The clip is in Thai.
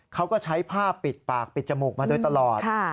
เขาก็ใช้ผ้าปิดปากปิดจมูกมาโดยตลอด